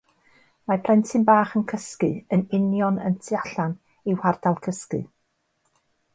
Mae plentyn bach yn cysgu yn union y tu allan i'w hardal cysgu.